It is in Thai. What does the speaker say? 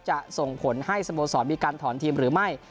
จะส่งผลให้สโมสรมีการถอนทีมหรือไม่